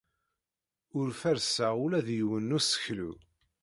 Ur ferrseɣ ula d yiwen n useklu.